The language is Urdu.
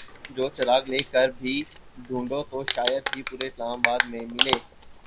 جو چراغ لے کر بھی ڈھونڈو تو شاید ہی پورے اسلام آباد میں ملے ۔